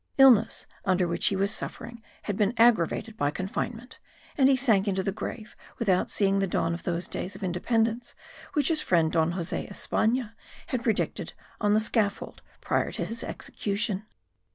Illness under which he was suffering had been aggravated by confinement; and he sank into the grave without seeing the dawn of those days of independence, which his friend Don Joseph Espana had predicted on the scaffold prior to his execution.